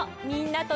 みんな。